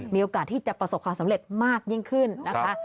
มีโอกาสที่จะประสบความสำเร็จมากยิ่งขึ้นนะคะ